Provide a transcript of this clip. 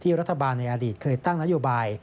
ที่รัฐบาลในอาทิตย์เคยตั้งนโยบาย